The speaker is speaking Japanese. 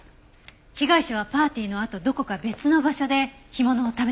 被害者はパーティーのあとどこか別の場所で干物を食べたんだと思う。